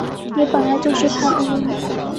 你本来就是他的猎物